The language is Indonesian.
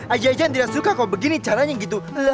ayah ayah yang tidak suka kalau begini caranya gitu